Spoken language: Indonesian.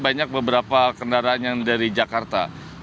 banyak beberapa kendaraan yang dari jakarta